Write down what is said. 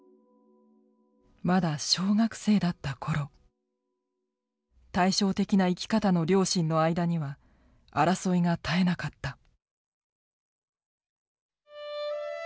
まだ小学生だった頃対照的な生き方の両親の間には争いが絶えなかった。